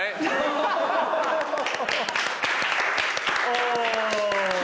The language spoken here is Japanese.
お！